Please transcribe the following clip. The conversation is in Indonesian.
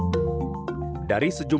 dari sejumlah nama nama yang telah dikirimkan